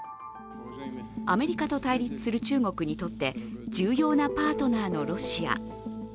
アメリカと対立する中国にとって重要なパートナーのロシア。